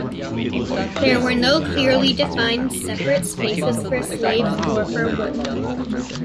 There were no clearly defined separate spaces for slaves or for women.